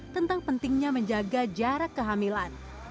tentang pentingnya menjaga jarak kehamilan